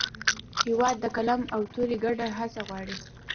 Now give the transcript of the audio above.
هېواد د قلم او تورې ګډه هڅه غواړي.